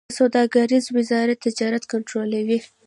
د سوداګرۍ وزارت تجارت کنټرولوي